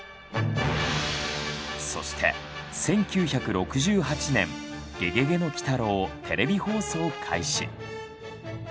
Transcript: そして１９６８年「ゲゲゲの鬼太郎」テレビ放送開始。